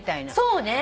そうね。